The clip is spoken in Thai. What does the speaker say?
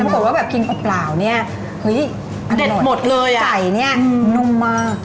อืมอืมอืมอืมน่ะ